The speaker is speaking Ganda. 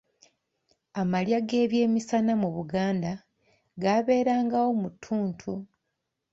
Amalya g'ebyemisana mu Buganda gaaberangawo mu ttuntu.